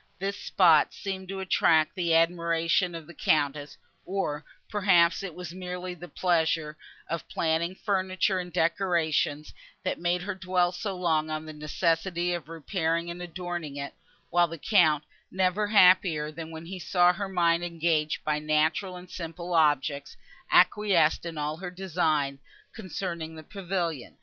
This spot seemed to attract even the admiration of the Countess, or, perhaps, it was merely the pleasure of planning furniture and decorations, that made her dwell so long on the necessity of repairing and adorning it; while the Count, never happier than when he saw her mind engaged by natural and simple objects, acquiesced in all her designs, concerning the pavilion.